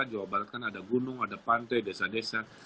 jawa barat kan ada gunung ada pantai desa desa